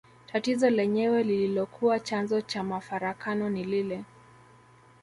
Tatizo lenyewe lililokuwa chanzo cha mafarakano ni lile